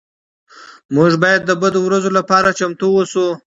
موږ باید د بدو ورځو لپاره چمتو اوسو.